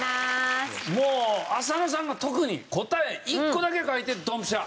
もう浅野さんが特に答え１個だけ書いてドンピシャ。